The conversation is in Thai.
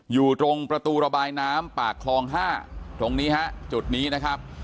อยู่ตรงประตูระบายน้ำปากคลอง๕ตรงนี้ฮะจุดนี้นะครับ